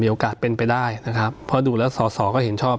โอกาสเป็นไปได้นะครับเพราะดูแล้วสอสอก็เห็นชอบ